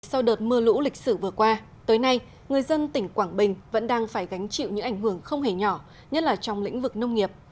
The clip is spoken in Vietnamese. sau đợt mưa lũ lịch sử vừa qua tới nay người dân tỉnh quảng bình vẫn đang phải gánh chịu những ảnh hưởng không hề nhỏ nhất là trong lĩnh vực nông nghiệp